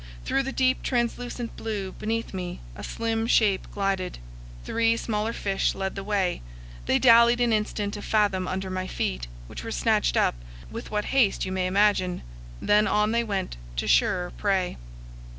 Through the deep translucent blue beneath me a slim shape glided; three smaller fish led the way; they dallied an instant a fathom under my feet, which were snatched up, with what haste you may imagine; then on they went to surer prey.